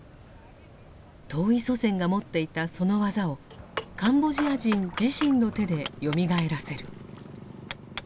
遠い祖先が持っていたその技をカンボジア人自身の手でよみがえらせる。